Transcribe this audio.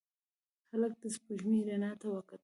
هلک د سپوږمۍ رڼا ته وکتل.